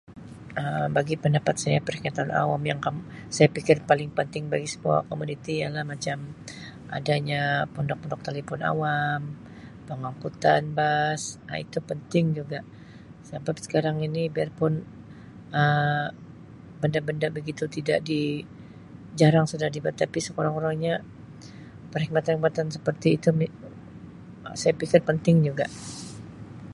Um Bagi pendapat saya perkhidmatan awam yang kam saya fikir paling penting bagi semua komuniti ialah macam adanya pondok-pondok telefon awam, pengangkutan bas Um itu penting juga sabab sekarang ini biarpun Um benda-benda begitu tidak di jarang sudah di buat tapi sekurang-kurangnya perkhidmatan-perkhidmatan seperti itu mi saya fikir penting juga.